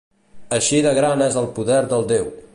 Així de gran és el poder del déu.